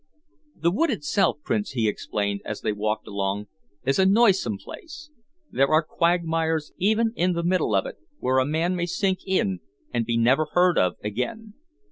"The wood itself, Prince," he explained, as they walked along, "is a noisome place. There are quagmires even in the middle of it, where a man may sink in and be never heard of again.